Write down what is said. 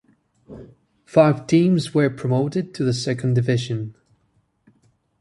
Five teams were promoted to the second division.